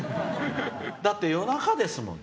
だって夜中ですもの。